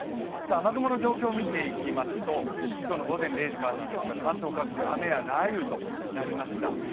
雨雲の状況を見ていきますと今日の午前０時からなんですけど関東各地雨や雷雨となりました。